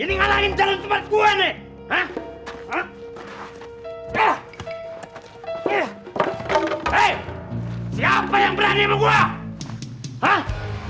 ini ngalahin jalan sempat gue nek